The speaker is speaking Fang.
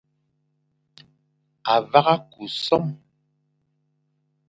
A vagha ku som,